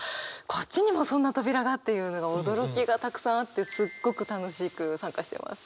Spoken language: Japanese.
こっちにもそんな扉がっていうのが驚きがたくさんあってすっごく楽しく参加してます。